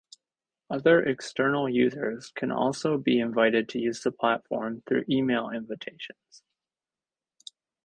Other external users can also be invited to use the platform through email invitations.